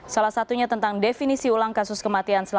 salah satunya tentang definisi ulang kasus kematian